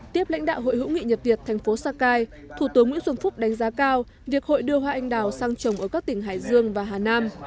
tiếp lãnh đạo hội hữu nghị nhật việt thành phố sakai thủ tướng nguyễn xuân phúc đánh giá cao việc hội đưa hoa anh đào sang trồng ở các tỉnh hải dương và hà nam